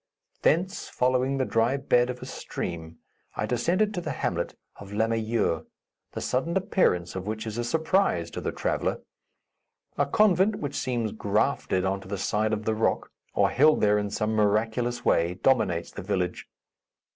Thence, following the dry bed of a stream, I descended to the hamlet of Lamayure, the sudden appearance of which is a surprise to the traveller. A convent, which seems grafted on the side of the rock, or held there in some miraculous way, dominates the village.